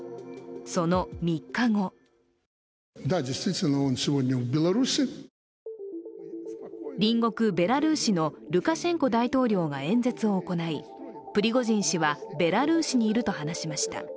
その３日後隣国ベラルーシのルカシェンコ大統領が演説を行い、プリゴジン氏はベラルーシにいると話しました。